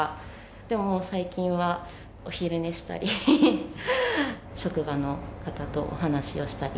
でも、最近はお昼寝したり、職場の方とお話をしたり。